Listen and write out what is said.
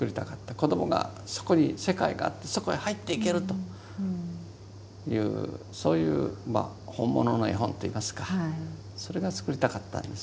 子どもがそこに世界があってそこへ入っていけるというそういうまあ本物の絵本といいますかそれが作りたかったんです。